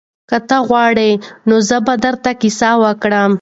که ته غواړې نو زه به درته کیسه وکړم.